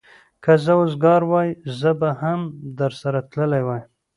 که زه وزګار وای، زه به هم درسره تللی وای.